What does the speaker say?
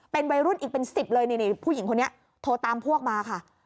เป็นวัยรุ่นอีกเป็น๑๐เลยนี่ผู้หญิงคนนี้โทรตามพวกมาค่ะ